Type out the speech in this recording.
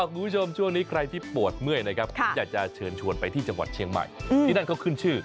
คุณผู้ชมช่วงนี้ใครที่ปวดเมื่อยนะครับผมอยากจะเชิญชวนไปที่จังหวัดเชียงใหม่ที่นั่นเขาขึ้นชื่อ